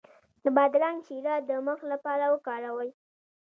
د بادرنګ شیره د مخ لپاره وکاروئ